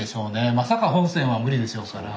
まさか本線は無理でしょうから。